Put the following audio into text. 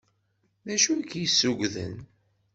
D acu k-yessugden?